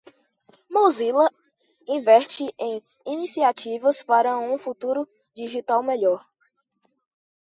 Mozilla investe em iniciativas para um futuro digital melhor.